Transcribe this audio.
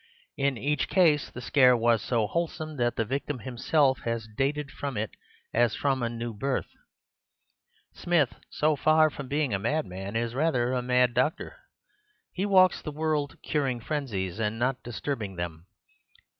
In each case the scare was so wholesome that the victim himself has dated from it as from a new birth. Smith, so far from being a madman, is rather a mad doctor— he walks the world curing frenzies and not distributing them.